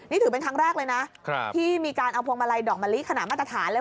นี่ถือเป็นครั้งแรกเลยนะที่มีการเอาพวงมาลัยดอกมะลิขนาดมาตรฐานเลย